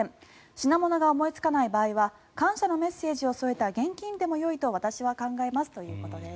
品物が思いつかない場合は感謝のメッセージを添えた現金でもよいと私は考えますということです。